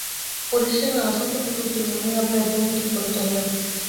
পরিশেষে নানা সঙ্কট হইতে উত্তীর্ণ হইয়া প্রেতভূমিতে উপনীত হইলেন।